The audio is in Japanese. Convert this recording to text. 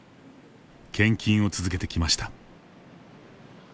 献金を続けてきました。